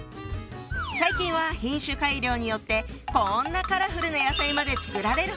最近は品種改良によってこんなカラフルな野菜まで作られるほどに。